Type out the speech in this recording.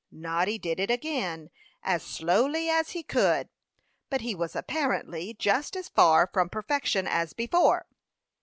Noddy did it again, as slowly as he could; but he was apparently just as far from perfection as before.